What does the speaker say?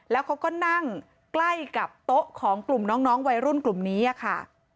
แล้วเขาก็นั่งใกล้กับโต๊ะของกลุ่มน้องวัยรุ่นกลุ่มนี้ค่ะ